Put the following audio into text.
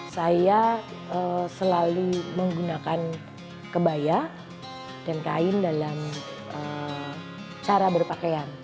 saya selalu menggunakan kebaya dan kain dalam cara berpakaian